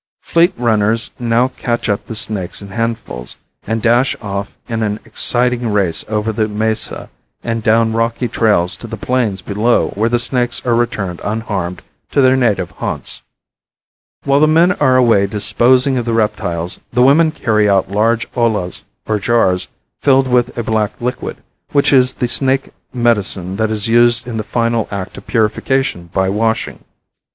Fleet runners now catch up the snakes in handfuls and dash off in an exciting race over the mesa and down rocky trails to the plains below where the snakes are returned unharmed to their native haunts. While the men are away disposing of the reptiles the women carry out large ollas, or jars, filled with a black liquid, which is the snake medicine that is used in the final act of purification by washing.